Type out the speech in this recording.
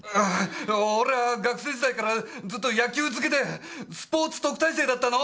俺は学生時代からずっと野球漬けでスポーツ特待生だったの！